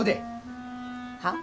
はっ？